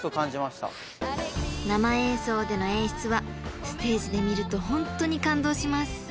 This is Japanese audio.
［生演奏での演出はステージで見るとホントに感動します］